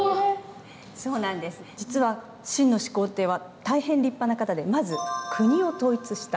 実は秦の始皇帝は大変立派な方でまず国を統一した。